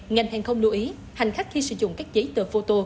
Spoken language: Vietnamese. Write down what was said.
ngành hàng không lưu ý hành khách khi sử dụng các giấy tờ phô tô